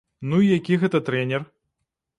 Ну, які гэта трэнер?